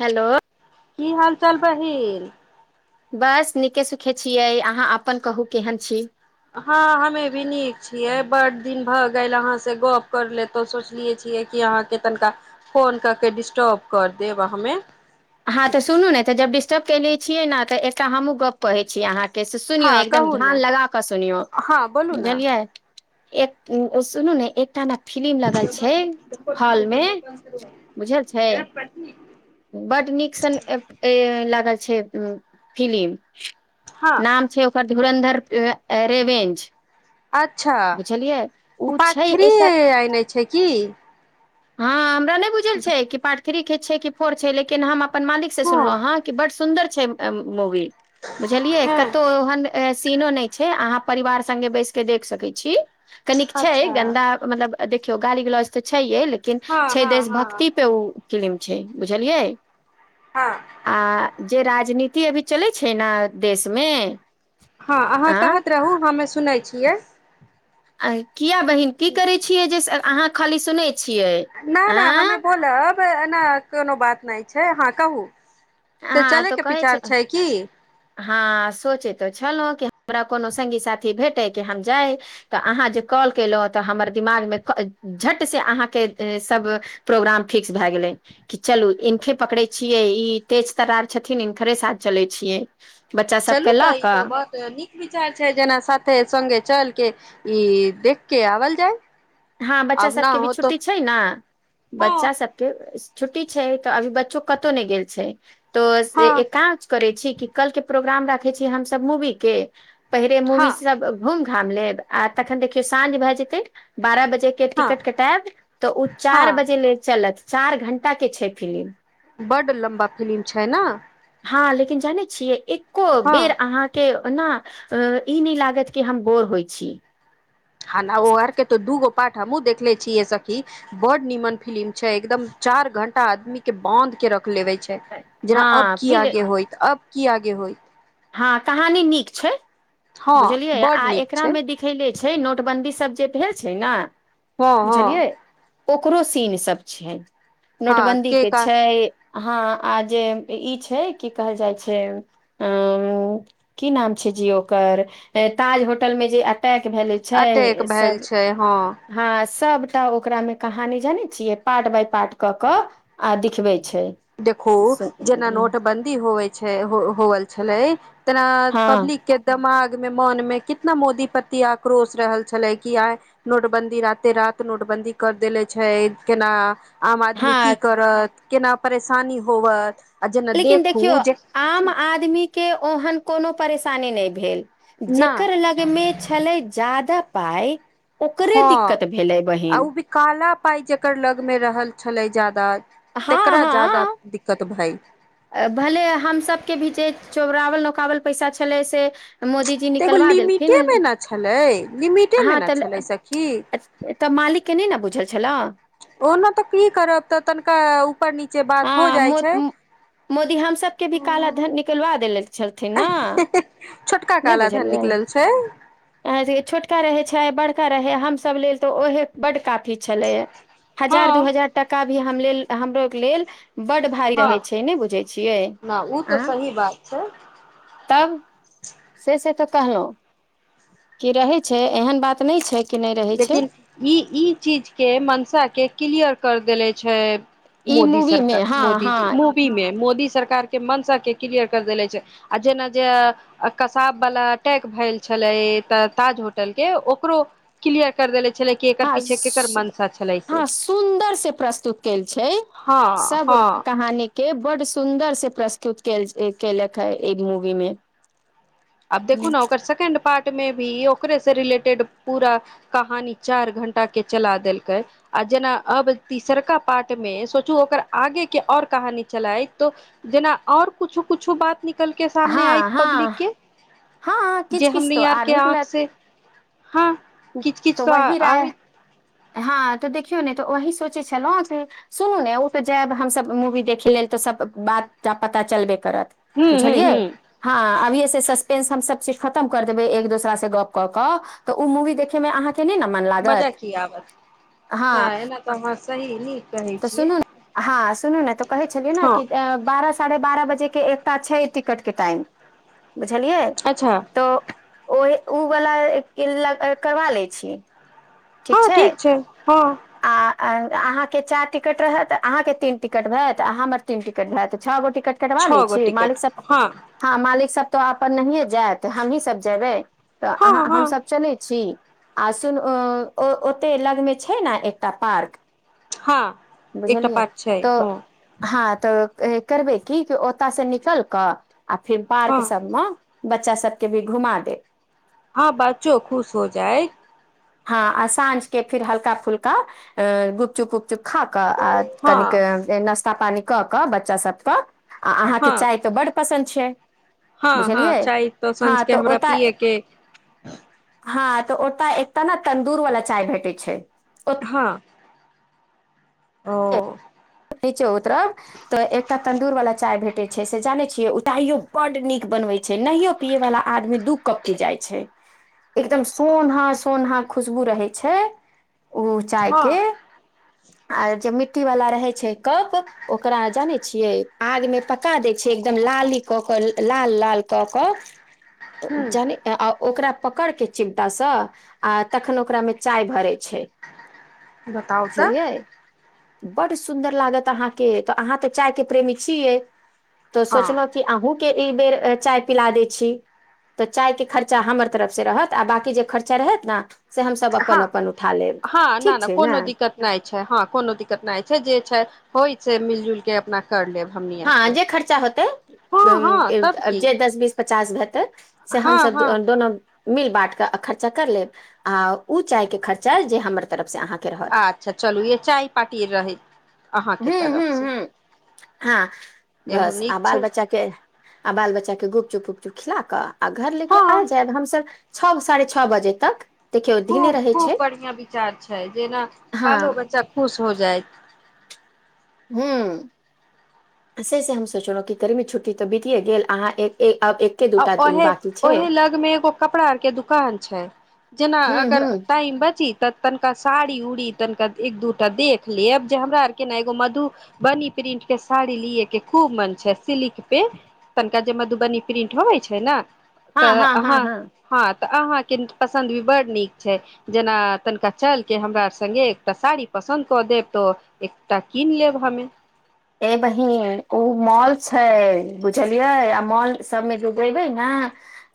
Hello की हाल चाल बहिन बस नीके सुखे छियै अहाँ अपन कहू केहन छी हँ हमे भी नीक छियै बड दिन भ काइल अहाँ स गप कर ले सोचलिय छिय अहाँके तनिका फोन क के डिस्टर्ब कर देब हमे हँ त सुनू ने तऽ जब डिस्टर्ब कैल छियै ने तऽ एकटा हमूँ गप कहै छी अहाँके से सुनियौ हँ एकदम कहू ध्यान ने लगा कऽ सुनियौ हँ बोलू ने बुझलियै एक सुनू ने एकटाान बुझल छै सखी बड नीक सन लागल छै फिलिम हँ नाम छै ओकर धुरन्धर रेवेंज अच्छा बुझलियै उ ओ छै पाथ्ररी एने छै की ह नहि बुझल छै कि प थ्री के छै कि फोर छै लेकिन हम अपन मालिक से हँ सुनलहु हँं बड सुंदर मूवी बुझलियए हँ कतौह तीनो नहि छै अहाँ परिवार संगे बैस के देख सकै छी कनिक छै अच्छा गन्दा मतलब देखियौ गाली ग्लउज तऽ छै हँ छै हँ देश हँ भक्ति पे ओ किलिम छै बुझलियै हँ आ जे राजनीत अभी चलै छै ने देशमे हँ अहाँ कहैत रहू हमे सुनै छियै आत किया बहिन की करै छियै जे अहाँ खाली सुनैत छी न न हमे बोलब कोनो बात नहि छै हँ कहू से हँ त चलयके कहै विचार छै की हँ सोचे त छल सी भे हम अाँ कॉल केलहु हम दिमाग अहाँके सब प्रोग्राम फिक्स भए गेल चलूे पकड़ छियै तेज तरार छथिन हिनकरे साथ चले छियै बच्चा सबके चलू लऽ तऽ ई कऽ तो बहुत नीक विचार छै जेना साथे सङ्गे चलके ई देखके आवल जाइ हँ बच्चा सभके भी छुट्टी छै ने हँ बच्चा सभके छुट्टी छै तऽ अभी बच्चो कतहु नहि गेल छै त हँ एक क करै छी कि कल के प्रोग्राम राखे छीय हम सब मूवी के पहिरे मूवी हँ सब घुम हम लेब आ तखन देखियौ साँझ भए जेतै बारह बजे एक एक हँ टिकट कटायब तऽ ओ हँ चार बजे लेल चलत चार घण्टा के छै फिल्म बड लम्बा फिलिम छै ने हँ लेकिन जानै छियै एक को हँ बेर अहाँके न अ ई नहि लागत कि हम बोर होइ छी ह न ओ यर के दूगो पाठ हमहु देखले छी यै सखी बड नीमन फिल्म छै एकदम चार घंटा आदमी के बाँंध के रख लेबै छै जेना हँ अब की फिल आगे होय अब की आगे होइ हँ कहानी नीक छै हँ बुझलियै आ बड नीक छै एकरामे दिखले छै छै नोटबदी सब जे भेल छै ने हँ हँ बुझलियै ओ ओकरो सीन सब छै। हँ नोटबंन्दी के का छै हाँ आ जे ई छै की कहल जाइ छै की नाम छै जियओ ताज होटल मे जे पैक भेले छै अटैक भेल सब छै हँ हँ सबटा ओकरा में कहानी जाने छिये पार्ट बाय पार्ट क के आ दिखबे छी देखो जेना नोटबंदी होए होल छलै तना हँ पब्लिक के दिमाग मे मोन मे कितना मोदी पति आक्रोश रहल छलै कि आइ नोटबंदी रााते रात नोटबंदी कर देले छै केना आम आदमी हँ की करत केना परेशानी होबत लेकिन देखियौ आम आदमी के ओहन कोनो परेशानी नहि भेल। जेकर नहि लागे मे खा जाददा पाय हँ आ ओ भी काला पाई जेकर लग मे रहल छलै जादा दात हँ हँ भय भले हमसभके भी जे चौबरावल नकावल पैसा छलै से मोदीजी तऽ एगो निकलबा देलथििन लिमिटे मे ने छलै लिमिटे मे हहा ने तऽ छलै सखी त मालिक के नहि ने बुझल छलऽ ओना तऽ की करब तऽ तनिका ऊपर नच हँ मोदी हमसके भी काला ध निकलवा देे छलन ने छोटका नहि काला धन निकलल छै बुझलियै छोका रहै छै बड़का रहै हमस लेल तऽ ओहे बड कफ छलै ह हँ हजार दू हजार टाका भी हम लेल हमरो के लेल बड भारी हँ रहै छै नहि बुझै छियै न ओ अ तऽ सही बात छै तब। से से तऽ कहलहु कि रहै छै एहन बात नहि छै कि नहि रहै छै लेकिन ई ई चीज के मनसा के क्लियर करि देले छै। ई मोदी मूवी मे सरकार हँ मोदी जी हँ मूवी मे मोदी सरकार के मनस के क्लियर कर देले छै आ जेना जे कसाब वाला अटैक भेल छले त ताज होटल के ओकरो क्ीियर कर देलै हँ से हँ सुन्दर से प्रस्तुत कल छै हँ सब हँ कहानी के बड सुन्दर से प्रस्तुत क केलक ह एक मूवी मे आब देखू हूँ। न ओ कर सकैड पा मे भी ओकरे से रिलेटेड पूरा कहानी चार घंटा के चला देलकै आ जेना अब तीसरका पाठ मे सोचु ओकर आगे के और कहानी चलाय तो जेना आऔर कुछो कुछो बात न कल के सामने आई हँ पब्लिक के। हँ हँ किच जे किच हमनी तऽ आर के आँख निकलत से हँ किच किीच तऽ आ राय हँ तऽ देखियौ ने तऽ वही सोचै छलहुँ सुनू ने ओप जायब हमसभ मूवी देखे लेल तऽ सब बात पता हूँ चलबेजीटी हूँ हूँ बियै। से सस्पेंस हम सब चीज खतम कर देबै एक दोसरा से गप कऽ कऽ तऽ ओ मूवी देखे मे अहाँके त नहि ने मन मजा लागत की हँ नहि एना तहाँ सही नीक कहै तऽ छियै सुनू हँ सुनू ने तऽ कहै छलियै ने हँ कि बारह साढ़े बारह बजे जे एकता छै टिकट के टाइम। बुझलियै अच्छा तऽ ओहि ओ वला करबा लै छी। ठीक छै। ह। अहां के चार टिकट रहत अहाँ के तीन टिकट भयत अ हमर तीन टिकट भत छ गो कटबा लै छओ गो छी मालिक टिकट सब हँ ह मालिक सब तो अपन नहिए जायत हमही सब जेबै। तऽ हँ अहाँ हँ हमसभ चलै छी। आ सुन अ ओते लगमे छै ने एकटा पार्क हँ एकटा बुझलियै पठ छै तऽ ह। हँ तऽ करबै की ओतयसँ निकल कऽ आ फिर पार्क हँ सब मे बच्चा सब के भी घुमा दे। हँ बच्चो खुश हो जाय। हँ आ साँझ के फिर हल्का फुल्का गुपचुपुप चुखा क आ हँ कनिक नाश्ता पानी क कऽ बच्चा सब कऽ आ अहाँके हँ चाय तऽ बड पसन्द छै हँ हँ बुझलियै चाय तऽ हँ सझके हमरा ओतय पियएके हँ तऽ ओटा तऽ ने तन्दूर वालला चाय भेटैत छै। ओत- हँ। ओ। नीचे उतरब तऽ एकटा तन्दूर वाला चाय भेटैत छै से जानै छियै ऊ चाइयो बड्ड नीक बनबै छै नहियो पियै वालला आदमी दू कप पी जाइ छै एकदम सोना सोना खुशबू रहै छै ओ चाय के हँ आर जे मिट्टी वलाा रहै छै कप ओकरा जानै छियै आग मे पका दै छियै एकदम लाली कऽ क लाल लाल कऽ कऽ ह जानि ओकरा पकड़ के चिमटा से आ तखन ओकरा में चाय भरे छै छै बताउ तऽ बुझलियै बड सु सुन्दर लागत अहाँके त अहाँ तऽ चाय के प्रेमी छियै तऽ हँ सोचल कि अहूँ के एक बेर चाय पिला दै छी तऽ चाय के खर्चा हमर तरफ से रहत आ बकी जे खर्चा रहत ने से हमसभ हँ अपन अपन उठा लेब हँ न ठीक नहि छै कोनो ने दिक्कत नहि छै हँ कोनो दिक्कत नहि छै जे छै होइ छै मिलजुलके अपना कर लेब हमनी हँ आरके जे खर्चा होतै हँ हँ तब की जे दस बीस पचास हेतै से हँ हमसभ हँ दुोनो मिल बाट त खर्चा करलेब आ ऊ चाय के खर्चा हमर तरफ से अहाँक अच्छा चलू य चाय पारटी रहै हू अहाँके हू तरफ से हू हँ बस आ बाल बच्चा के आ बाल बच्चा के गुप्त चुप चुपचुप खिला कऽ आ घर लेके हँ आ जाय हमस छओ साढ़े छओ बजे तक देखियौ दिने खूब रहै खूब छै बढ़िया विचार छै जेना हँ बालो बच्चा खुश हो जायत ह से से हम सोचलहुँं कि गर्मी छुट्टी तऽ बतिये गेल अहाँ एक आब एके आ दूटा दिन ओहे बाकी छै ओहे लग मे एगो कपड़ा आर के दुकान छै जेना हू अगर हू टाइम बची तऽ तनिका साड़ी उड़ी तनिका एक दूटा देख लेब जे हमरा आर के ने एगो मधुबनी प्रिंट के साड़ी लि के खूब मन छै सिल्क पे तनिका जे मधुबनी प्रिन्ट होबइ छै ने तऽ हँ हँ तऽ अहाँके पसन्द भी बड्ड नीक छै जेना तनिका चलके हमरा सङ्गे एकटा साड़ी पसन्द कऽ देब तऽ एकटा कीन लेब हमे ए बहीन ओ मॉल छै बुझलियै आ मॉल सबमे रुगेबै ने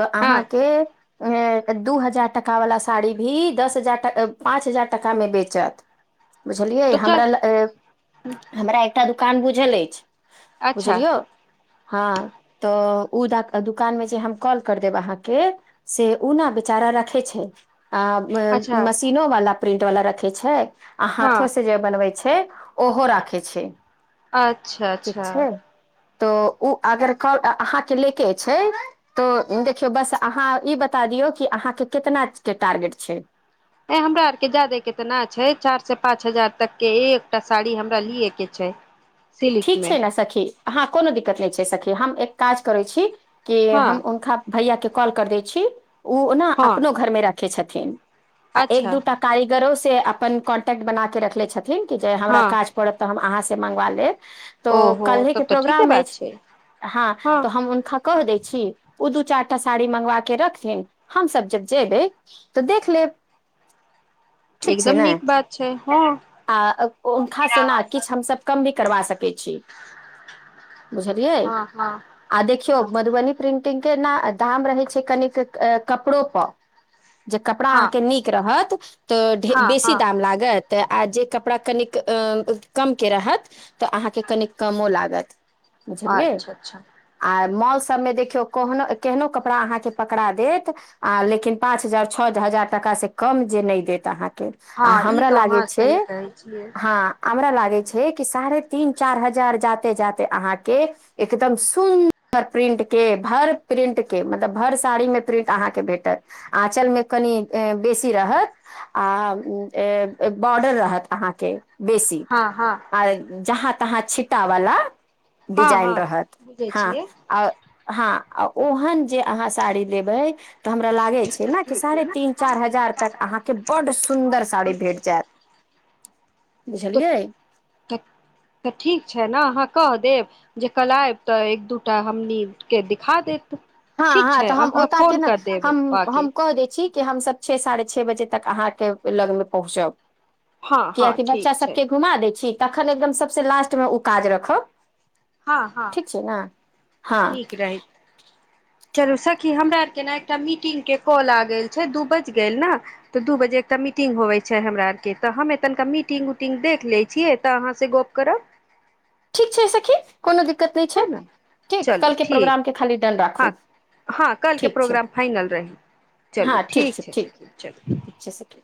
तऽ हँ अहाँके अ दू हजार टका वाला साड़ी भी दस हजार पाँच हजार टाका में बेचत बुझलियै तऽ चल हमरा ल हमरा ान बुझल अछि अच्छा बुझलियौ हँ तऽ ओ दुकान मे जे हम कॉल कर देब अहाँके से ना बेचारा राखे छै अ अच्छा मशीनोनो वाला प्रिंट वालला रखै छै आ हँ हाथो से ज जे बनबै छै छै ओहो राखे छै अच्छा ठीक अच्छा छै तऽ ओ अगर अहाँके लेके छै तऽ देखियौ बस अहाँ ई बता दियौ कि अहाँके केितना के टारगेट छै ए हमरा आरके जादे के तऽ नहि छै चारि से पाँच हजार तक के एक एकटा साड़ी हमरा लिए के छै सिल्क ठीक मे छै ने सखी हँ कोनो दिक्कत नहि छै सखी हम एक काज करै छी के हँ हम उनका भैया के कॉल कर दै छी ओ ने हँ अपनो घरमें राखे छथिन थि आ एक अच्छा दूटा कारीगरो से अपन कॉन्टेक्ट बना के रखले छथिन हमरा हँ क मगालेव तऽ ओहो कल्हिहेके तब तऽ ठीके प्रोग्राम बात अछि छै हँ तऽ हम हुनका कहहि दै छी ओ दू चारि टा साड़ी मंगवा के रखथिन हमस जब जेबै तऽ देख लेब ठीक छै एकदम ने नीक बात छै हँ आ हनका से ने हँ किछु हमस कम भ करवा सकै बुझलियै हँ आ देखियौ मधुबनी प्रिंट पिंग के न दाम रहै छै कनिक कपड़ो प जे कपड़ा हँ अहाँके नीक रहत तऽ हँ बेसी हँ दाम लागत आ जे कपड़ा कनिक अ कम के रहत तऽ अहाँके कनी कमो लागत बुझलियै अच्छा अच्छा आ मौल सब देखियो केहनो कपड़ा अ पकड़ा देत लेकिन पाँच हजार टाका से कम जे दे अहाँक आ हँ ई हमरा तऽ लागै अहाँ छै सही कहै छियै हँ हमरा लागे छै कि सारे तीन चार हजार जाते जाते अहाँके एकदम सुन्दर प्रिंट के भर प्रिंट के मतलब भर साड़ी मे प्रिंट अहाँके भेटत आंचल मे कनि बेसी रहत आ बॉर्डर रहत अहाँके बेसी हँ हँ आर जहाँ तहाँ छिटा वला हँ डिजाइन हँ रहत बुझै हँ छियै आ हँ ओहन जे अहाँ साड़ी लेबै तऽ हमरा लागै छै ने कि साढ़े तीन चारि हजार तक अहाँके बड्ड सुन्दर साड़ी भेट जायत बुझलियै तऽ तऽ ठीक छै ने अहाँ कह देब जे कल आयब तऽ एक दूटा हमनीके दिखा देत हँ ठीक हँ छै तऽ हम अहाँ ओत के फोन ने कर देब हम बौआ के हम कऽ दै छी कि हमसब छे साढ़े छे बजे तक अहाँके लग में पहुँचब हँ हँ कियाकि ठीक बच्चा छै सबके घुमा दै छी तखन एकदम सबसे लास्ट में ऊ काज रखब हँ हँ ठीक छै ने हँ नीक रहैत चलू सखी हमरा आरके ने एकटा मीटिंगके कॉल आ गेल छै दू बाजि गेल ने तऽ दू बजे एकटा मीटिंग होबइ छै हमरा आरके तऽ हम तना मीटिंग उटिंग देख लै छियै तऽ अहाँसँ गप करब ठीक छै सखी कोनो दिक्कत नहि छै है ने ठीक चलू कलके ठीक प्रोग्राम के खाली डन राखू हँ हँ कल के ठीक छै प्रोग्राम फाइनल रही चलू हँ ठीक छै ठीक सखी चलू ठीक छै सख